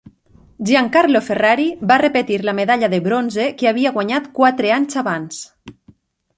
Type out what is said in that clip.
Giancarlo Ferrari va repetir la medalla de bronze que havia guanyat quatre anys abans.